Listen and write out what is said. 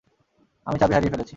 আমি চাবি হারিয়ে ফেলেছি।